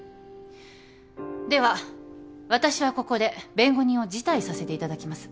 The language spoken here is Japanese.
では私はここで弁護人を辞退させていただきます。